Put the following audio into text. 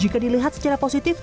jika dilihat secara positif